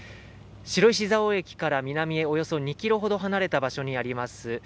白石蔵王駅から南へおよそ２ｋｍほど離れた場所にあります